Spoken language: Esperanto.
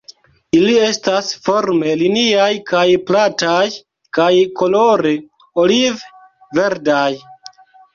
Ili estas forme liniaj kaj plataj kaj kolore oliv-verdaj.